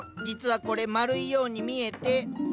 実はこれ丸いように見えて。